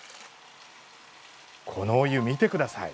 このお湯、見てください！